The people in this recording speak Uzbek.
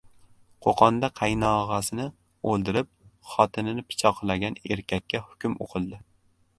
Qo‘qonda qaynog‘asini o‘ldirib, xotinini pichoqlagan erkakka hukm o‘qildi